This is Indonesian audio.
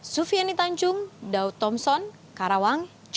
sufiani tanjung daud thompson karawang jawa